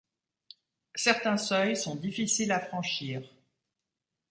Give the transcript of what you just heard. Certains seuils sont difficiles à franchir.